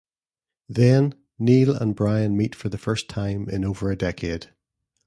Then, Neil and Brian meet for the first time in over a decade.